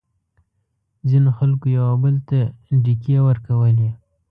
ځینو خلکو یو او بل ته ډیکې ورکولې.